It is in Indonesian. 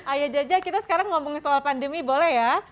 ayah jaja kita sekarang ngomongin soal pandemi boleh ya